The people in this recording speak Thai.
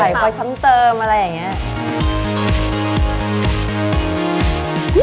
ถ่ายเว้ยชั้นเติมอะไรอย่างเงี้ย